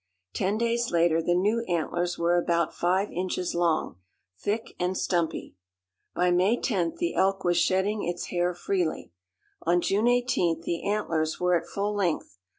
Ten days later the new antlers were about five inches long, thick and stumpy. By May 10th the elk was shedding its hair freely. On June 18th the antlers were at full length.